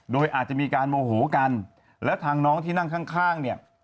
โดยอาจจะมีการโมโหกันแล้วทางน้องที่นั่งข้างเนี่ย